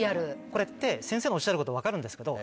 これって先生のおっしゃること分かるんですけど